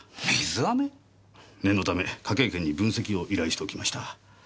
念のため科警研に分析を依頼しておきました。